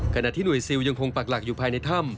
ขณะที่หน่วยซิลยังคงปักหลักอยู่ภายในถ้ำ